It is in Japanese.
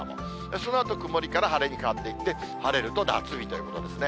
そのあと曇りに変わっていって晴れると夏日ということですね。